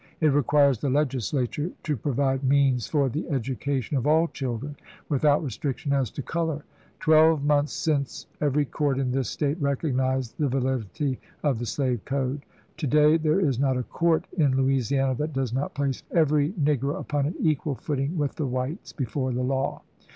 It requires the Legislature to provide means for the education of all children without restriction as to color. Twelve months since every court in this State recognized the validity of the slave code. To day there is not a court in Louisiana that does not place every negro upon an equal footing with the whites before the law.